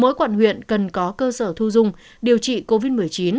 mỗi quận huyện cần có cơ sở thu dung điều trị covid một mươi chín